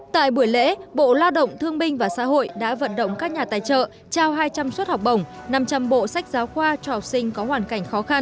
tại buổi lễ bộ lao động thương binh và xã hội đã vận động các nhà tài trợ trao hai trăm linh suất học bổng năm trăm linh bộ sách giáo khoa cho học sinh có hoàn cảnh khó khăn